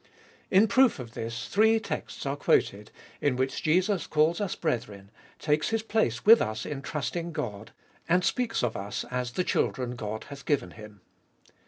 In proof of this three texts are quoted, in which Jesus calls us brethren, takes His place with us in trusting God, and speaks of us as the children God hath given Him.